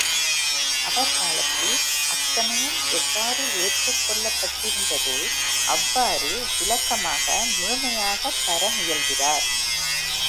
அவர் காலத்தில் அச்சமயம் எவ்வாறு ஏற்றுக் கொள்ளப்பட்டிருந்ததோ அவ்வாறு விளக்கமாக, முழுமையாகத் தர முயல்கிறார்.